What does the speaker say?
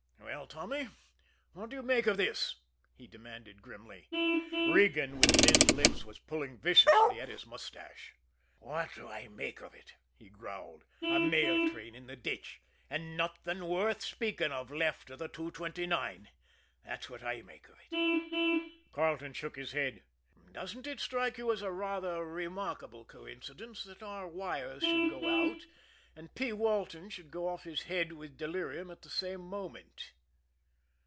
"Well, Tommy, what do you make of this?" he demanded grimly. Regan, with thinned lips, was pulling viciously at his mustache. "What do I make of it!" he growled. "A mail train in the ditch, and nothing worth speaking of left of the two twenty nine that's what I make of it!" Carleton shook his head. "Doesn't it strike you as a rather remarkable coincidence that our wires should go out, and P. Walton should go off his head with delirium at the same moment?"